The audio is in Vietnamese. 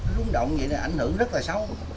rúng động như vậy là ảnh hưởng rất là xấu